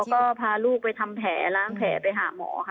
ก็พาลูกไปทำแผลล้างแผลไปหาหมอค่ะ